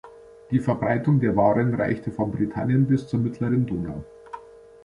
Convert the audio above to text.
Die Verbreitung der Waren reichte von Britannien bis zur mittleren Donau.